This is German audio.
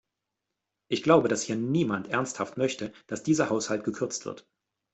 Ich glaube, dass hier niemand ernsthaft möchte, dass dieser Haushalt gekürzt wird.